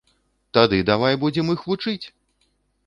Тады давай будзем іх вучыць!